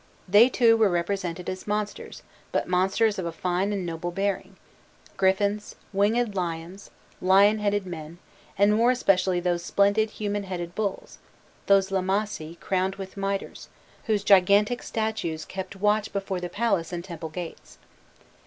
They too were represented as monsters, but monsters of a fine and noble bearing, griffins, winged lions, lion headed men, and more especially those splendid human headed bulls, those "lamassi" crowned with mitres, whose gigantic statues kept watch before the palace and temple gates.